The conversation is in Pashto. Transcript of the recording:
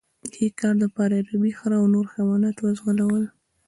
د دې کار لپاره یې عربي خره او نور حیوانات وځغلول.